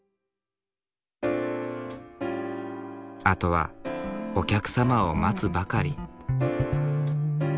あとはお客様を待つばかり。